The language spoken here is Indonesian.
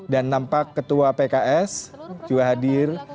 dan nampak ketua pks juga hadir